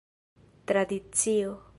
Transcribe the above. Tradicio.